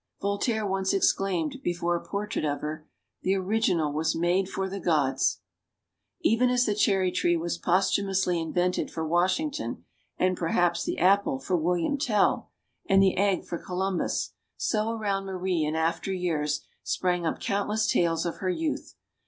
Voltaire once exclaimed, before a portrait of her: "The original was made for the gods!" Even as the cherry tree was posthumously invented for Washington and, perhaps, the apple for William MADAME DU BARRY 183 Tell and the egg for Columbus, so around Marie in after years sprang up countless tales of her youth.